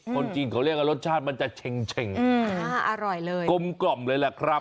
คนจีนเขาเรียกว่ารสชาติมันจะเช็งอร่อยเลยกลมกล่อมเลยแหละครับ